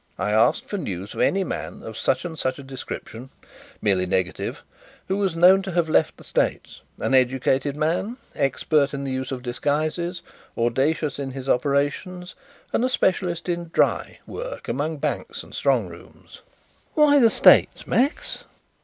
I asked for news of any man of such and such a description merely negative who was known to have left the States; an educated man, expert in the use of disguises, audacious in his operations, and a specialist in 'dry' work among banks and strong rooms." "Why the States, Max?"